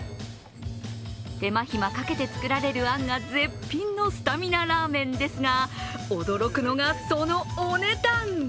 手間暇かけて作られるあんが絶品のスタミナラーメンですが、驚くのがそのお値段。